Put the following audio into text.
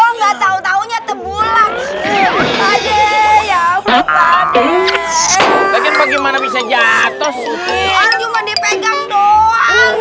enggak tahu tahunya terbulang adek ya apaan bagaimana bisa jatuh cuma dipegang doang